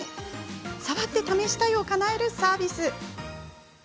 触って試したいをかなえるサービス。